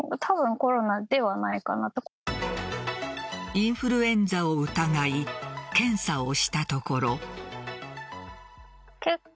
インフルエンザを疑い検査をしたところ。